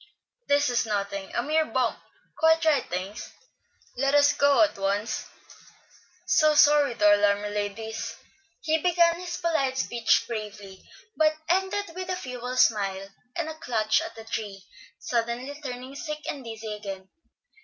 "This is nothing, a mere bump; quite right, thanks. Let us go on at once; so sorry to alarm you, ladies." He began his polite speech bravely, but ended with a feeble smile and a clutch at the tree, suddenly turning sick and dizzy again.